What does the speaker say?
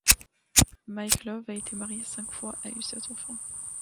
Mike Love a été marié cinq fois et a eu sept enfants.